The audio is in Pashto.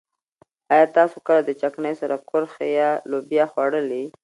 ايا تاسو کله د چکنۍ سره کورخې يا لوبيا خوړلي؟